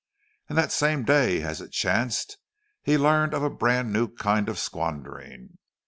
And that same day, as it chanced, he learned of a brand new kind of squandering.